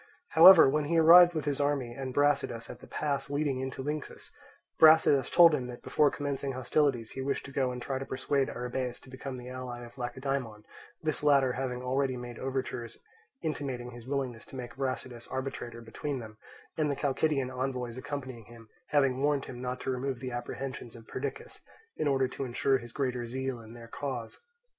However, when he arrived with his army and Brasidas at the pass leading into Lyncus, Brasidas told him that before commencing hostilities he wished to go and try to persuade Arrhabaeus to become the ally of Lacedaemon, this latter having already made overtures intimating his willingness to make Brasidas arbitrator between them, and the Chalcidian envoys accompanying him having warned him not to remove the apprehensions of Perdiccas, in order to ensure his greater zeal in their cause.